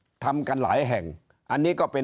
ตัวเลขการแพร่กระจายในต่างจังหวัดมีอัตราที่สูงขึ้น